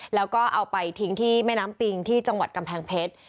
แล้วก็เอาไปทิ้งที่แม่น้ำปิงที่จังหวัดกำแพงเพชร